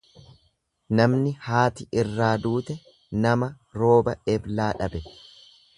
Namni haati irraa duute nama rooba Eblaa dhabe.